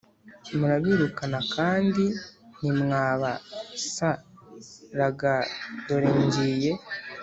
Murabirukana Kandi Ntimwabas Raga Dore Ngiye